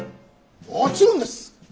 もちろんです！